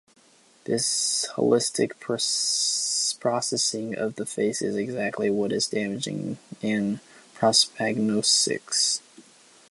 This holistic processing of the face is exactly what is damaged in prosopagnosics.